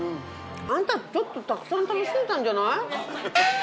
あんたちょっとたくさん食べ過ぎたんじゃない？